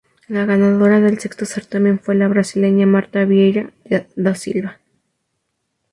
La ganadora del sexto certamen fue la brasileña Marta Vieira da Silva.